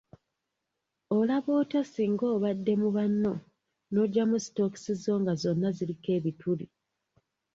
Olaba otya singa obadde mu banno n'ojjamu sitookisi zo nga zonna ziriko ebituli.